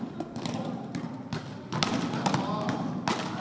สุดท้ายสุดท้ายสุดท้าย